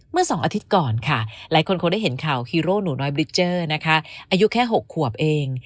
เมื่อ๒อาทิตย์ก่อนค่ะหลายคนคงได้เห็นข่าวฮีโร่หนูน้อยบริเจอร์นะคะอายุแค่๖ขวบเอง